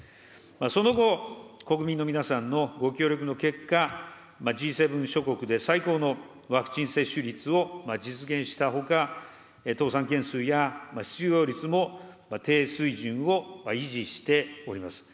その後、国民の皆さんのご協力の結果、Ｇ７諸国で最高のワクチン接種率を実現したほか、倒産件数や失業率も低水準を維持しております。